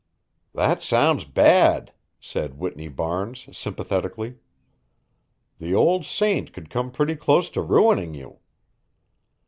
"That sounds bad," said Whitney Barnes, sympathetically. "The old saint could come pretty close to ruining you."